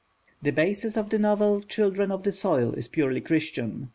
The basis of the novel Children of the Soil is purely Christian.